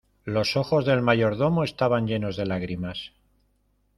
los ojos del mayordomo estaban llenos de lágrimas.